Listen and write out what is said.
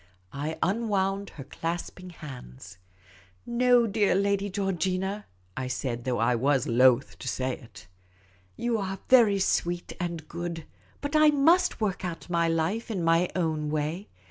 I unwound her clasping hands. " No, dear Lady Geor gina," I said, though I was loth to say it. " You are very sweet and good, but I must work out my life in my own way.